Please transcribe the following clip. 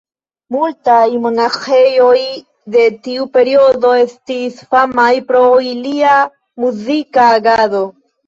Multaj monaĥejoj de tiu periodo estis famaj pro ilia muzika agado.